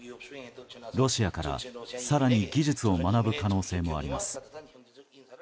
ロシアから、更に技術を学ぶ可能性もあります。